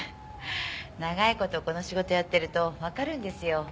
長い事この仕事をやってるとわかるんですよ。